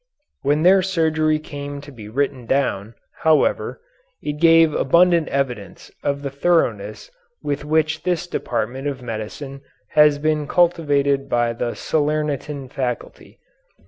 When their surgery came to be written down, however, it gave abundant evidence of the thoroughness with which this department of medicine had been cultivated by the Salernitan faculty.